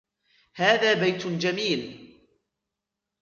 هذا بيت جميل.